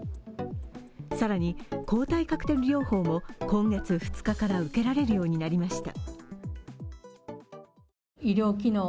更に、抗体カクテル療法を今月２日から受けられるようになりました。